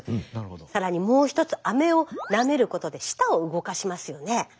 更にもう１つアメをなめることで舌を動かしますよね。